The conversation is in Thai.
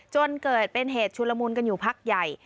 จนเกิดเป็นเหตุชุลมุนกันอยู่พักใหญ่